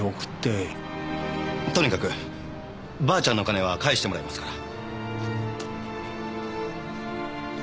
とにかくばあちゃんの金は返してもらいますから。